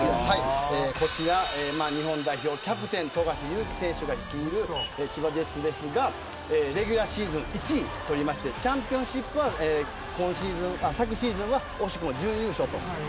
こちら日本代表キャプテン富樫勇樹選手が率いる千葉ジェッツですがレギュラーシーズン１位を取りましてチャンピオンシップは昨シーズンは惜しくも準優勝。